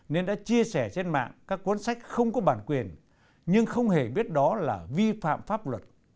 nên đã chia sẻ trên mạng các cuốn sách không có bản quyền nhưng không hề biết đó là vi phạm pháp luật